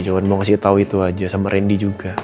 coba mau kasih tau itu aja sama randy juga